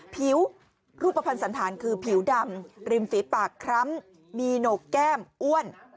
ผิวรูปภัณฑ์สันธารคือผิวดำริมฝีปากคล้ำมีโหนกแก้มอ้วน